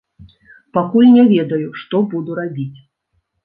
Пакуль не ведаю, што буду рабіць.